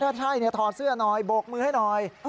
ถ้าใช่ถอดเสื้อหน่อยโบกมือให้หน่อย